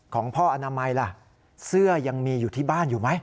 ของพ่ออนามัยล่ะเสื้อยังมีอยู่ที่บ้านอยู่ไหม